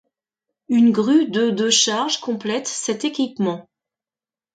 Une grue de de charge complète cet équipement.